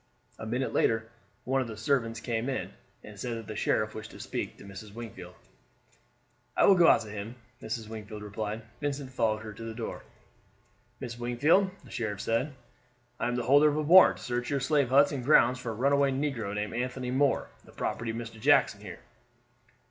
A minute later one of the servants came in, and said that the sheriff wished to speak to Mrs. Wingfield. "I will go out to him," Mrs. Wingfield replied. Vincent followed her to the door. "Mrs. Wingfield," the sheriff said, "I am the holder of a warrant; to search your slave huts and grounds for a runaway negro named Anthony Moore, the property of Mr. Jackson here."